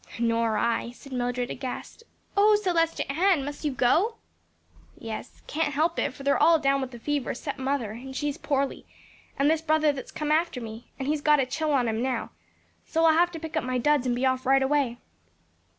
"Nor I," said Mildred, aghast. "O, Celestia Ann, must you go?" "Yes; can't help it; for they're all down with the fever, 'cept mother (and she's poorly) and this brother that's come after me; and he's got a chill on him now. So I'll have to pick up my duds and be off right away."